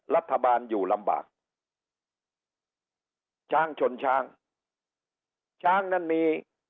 รัฐบาลอยู่ลำบากช้างชนช้างช้างนั้นมี